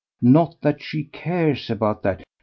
"Not that she cares about that!